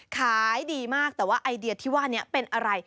ขายดีมากแต่ว่าไอเดียที่ว่านี้เป็นอะไร